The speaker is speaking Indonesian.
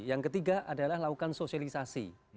yang ketiga adalah lakukan sosialisasi